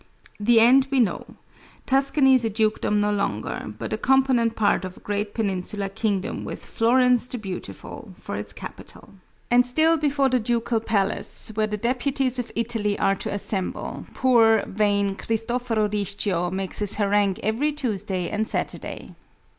The end we know. Tuscany is a dukedom no longer, but a component part of a great peninsular kingdom with "Florence the Beautiful" for its capital. And still before the ducal palace, where the deputies of Italy are to assemble, poor, vain Cristoforo Rischio makes his harangue every Tuesday and Saturday.